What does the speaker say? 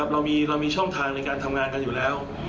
เรามีช่องทางในการทำงานกันอยู่แล้ว